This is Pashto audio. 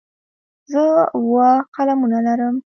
زه اووه قلمونه لرم.